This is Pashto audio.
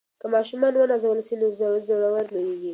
که ماشومان ونازول سي نو زړور لویېږي.